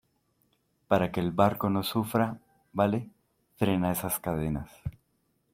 para que el barco no sufra. vale . frena esas cadenas .